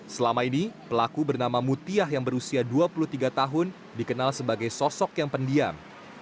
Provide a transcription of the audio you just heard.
selama ini pelaku bernama mutiah yang berusia dua puluh tiga tahun dikenal sebagai sosok yang pendiam